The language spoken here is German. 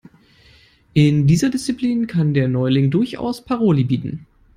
In dieser Disziplin kann der Neuling durchaus Paroli bieten.